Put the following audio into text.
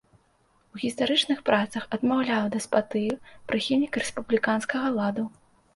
У гістарычных працах адмаўляў дэспатыю, прыхільнік рэспубліканскага ладу.